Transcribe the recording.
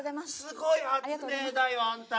すごい発明だよあんた。